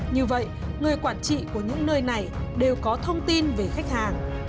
như vậy người quản trị của những nơi này đều có thông tin về khách hàng